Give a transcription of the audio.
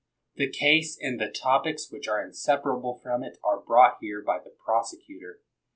The case and the topics which are inseparable from it are brought here by the prosecutor.